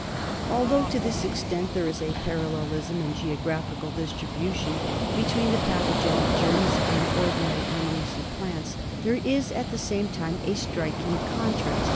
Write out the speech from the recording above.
Although to this extent there is a parallelism in geographical distribution between the pathogenic germs and ordinary animals and plants, there is at the same time a striking contrast.